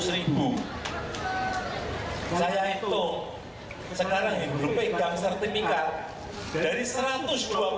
saya itu sekarang yang berpegang sertifikat dari satu ratus dua puluh enam yang harus pegang